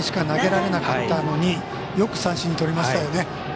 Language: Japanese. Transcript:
投げられなかったのによく三振にとりましたよね。